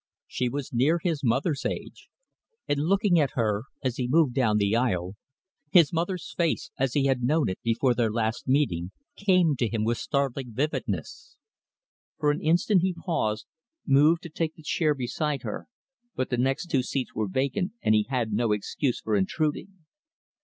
She was near his mother's age; and looking at her as he moved down the aisle his mother's face, as he had known it before their last meeting, came to him with startling vividness. For an instant, he paused, moved to take the chair beside her; but the next two seats were vacant, and he had no excuse for intruding.